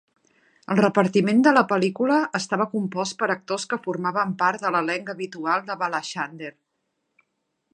El repartiment de la pel·lícula estava compost per actors que formaven part de l'elenc habitual de Balachander.